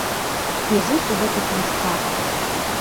І жыць у гэтых мяшках!